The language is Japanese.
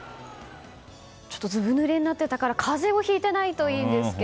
ずぶぬれになっていたから風邪をひいてなければいいんですが。